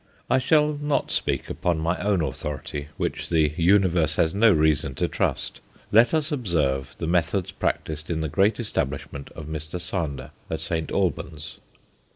I shall not speak upon my own authority, which the universe has no reason to trust. Let us observe the methods practised in the great establishment of Mr. Sander at St. Albans.